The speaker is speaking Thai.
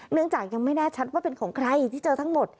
จากยังไม่แน่ชัดว่าเป็นของใครที่เจอทั้งหมด